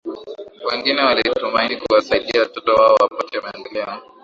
wengine walitumaini kuwasaidia watoto wao wapate maendeleo